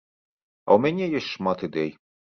А ў мяне ёсць шмат ідэй.